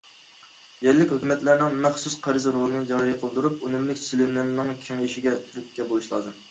يەرلىك ھۆكۈمەتلەرنىڭ مەخسۇس قەرز رولىنى جارى قىلدۇرۇپ، ئۈنۈملۈك سېلىنمىنىڭ كېڭىيىشىگە تۈرتكە بولۇش لازىم.